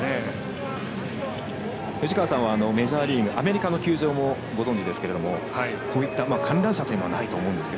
藤川さんはメジャーリーグアメリカの球場もご存じですけど、こういった観覧車というのはないと思うんですが。